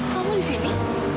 kamu di sini